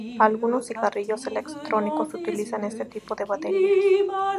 Algunos cigarrillos electrónicos utilizan este tipo de baterías.